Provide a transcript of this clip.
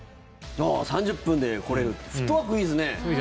３０分で来れるってフットワークいいですね。